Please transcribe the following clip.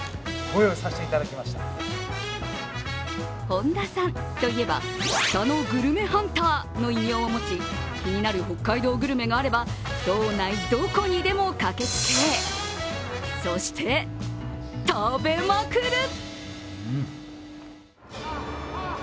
本田さんといえば、北のグルメハンターの異名を持ち気になる北海道グルメがあれば、道内どこにでも駆けつけ、そして食べまくる！